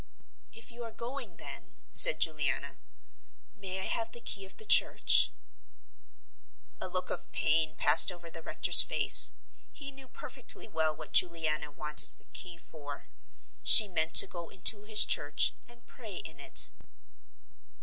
"If you are going, then," said Juliana, "may I have the key of the church." A look of pain passed over the rector's face. He knew perfectly well what Juliana wanted the key for. She meant to go into his church and pray in it.